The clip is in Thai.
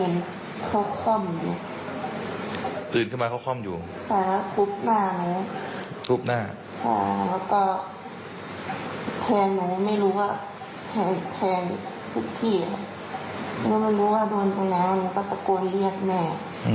แล้วมันรู้ว่าโดนตรงนั้นปะตะโกนเรียกแม่